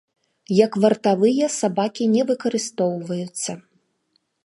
Як вартавыя сабакі не выкарыстоўваюцца.